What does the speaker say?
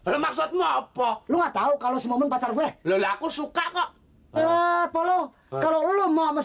lo maksudnya apa lu nggak tahu kalau semuanya pacar gue lelaku suka kok kalau lo mau mas